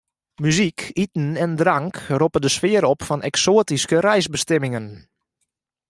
Muzyk, iten en drank roppe de sfear op fan eksoatyske reisbestimmingen.